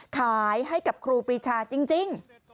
ขายให้กับครูปรีชาจริง